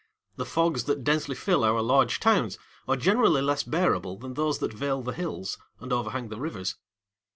The fogs that densely fill our large towns are generally less bearable than those that veil the hills and overhang the rivers.